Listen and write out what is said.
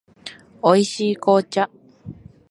美味しい紅茶